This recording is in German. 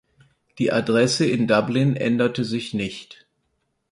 Die Adresse in Dublin änderte sich nicht.